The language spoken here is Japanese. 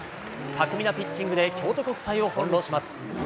巧みなピッチングで京都国際を翻弄します。